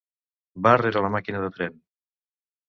Va rere la màquina de tren.